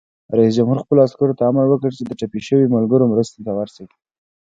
رئیس جمهور خپلو عسکرو ته امر وکړ؛ د ټپي شویو ملګرو مرستې ته ورشئ!